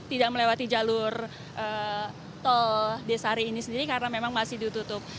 tidak melewati jalur tol desari ini sendiri karena memang masih ditutup